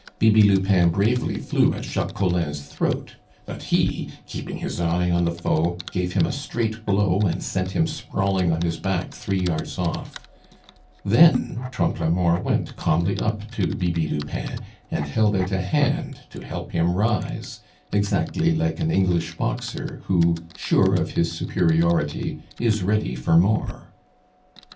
Bibi Lupin bravely flew at Jacques Collin's throat; but he, keeping his eye on the foe, gave him a straight blow, and sent him sprawling on his back three yards off; then Trompe la Mort went calmly up to Bibi Lupin, and held out a hand to help him rise, exactly like an English boxer who, sure of his superiority, is ready for more.